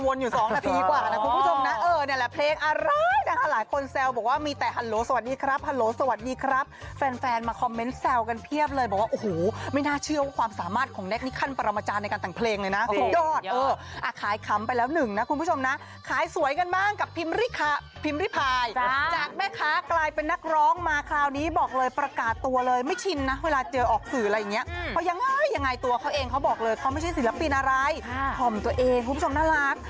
สวัสดีครับฮัลโหลสวัสดีครับฮัลโหลสวัสดีครับฮัลโหลสวัสดีครับฮัลโหลสวัสดีครับฮัลโหลสวัสดีครับฮัลโหลสวัสดีครับฮัลโหลสวัสดีครับฮัลโหลสวัสดีครับฮัลโหลสวัสดีครับฮัลโหลสวัสดีครับฮัลโหลสวัสดีครับฮัลโหลสวัสด